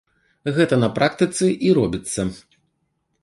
Гэта на практыцы і робіцца.